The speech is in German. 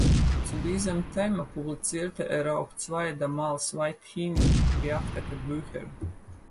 Zu diesem Thema publizierte er auch zwei damals weithin beachtete Bücher.